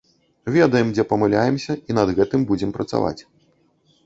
Ведаем, дзе памыляемся, і над гэтым будзем працаваць.